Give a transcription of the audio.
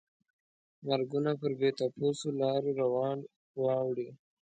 مرګونه پر بې تپوسو لارو روان واوړي.